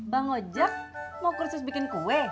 bang ojek mau kursus bikin kue